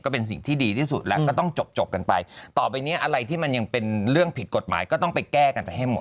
เป็นสิ่งที่ดีที่สุดแล้วก็ต้องจบจบกันไปต่อไปเนี้ยอะไรที่มันยังเป็นเรื่องผิดกฎหมายก็ต้องไปแก้กันไปให้หมด